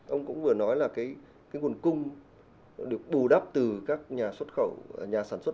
ông cũng vừa nói là cái nguồn cung được bù đắp từ các nhà xuất khẩu